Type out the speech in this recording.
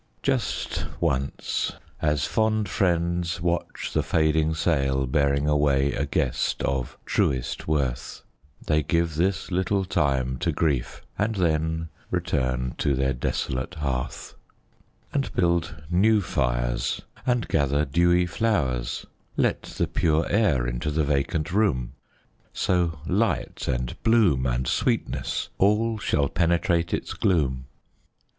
Just once, as fond friends watch the fading sail Bearing away a guest of truest worth, They give this little time to grief, and then Return to their desolate hearth, And build new fires, and gather dewy flowers, Let the pure air into the vacant room, So light, and bloom, and sweetness, all Shall penetrate its gloom.